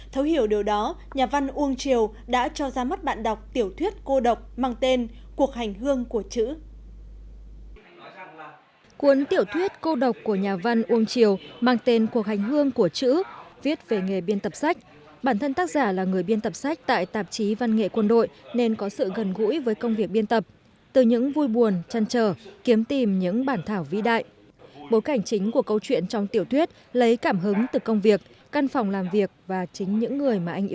thấu hiểu điều đó nhà văn uông triều đã cho ra mắt bạn đọc tiểu thuyết cô độc mang tên cuộc hành hương của chữ